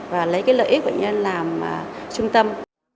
và lấy lợi ích bệnh nhân làm trung tâm